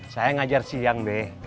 saya ngajar siang be